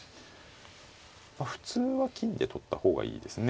普通は金で取った方がいいですね。